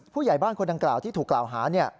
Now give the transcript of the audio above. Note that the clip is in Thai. ผู้ใหญ่บ้านคนดังกล่าวที่ถูกกล่าวหา